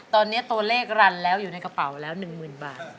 ตอนนี้ตัวเลขรันแล้วอยู่ในกระเป๋าแล้วหนึ่งหมื่นบาท